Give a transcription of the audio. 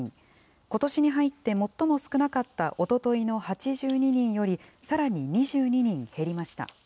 ことしに入って最も少なかったおとといの８２人よりさらに２２人減りました。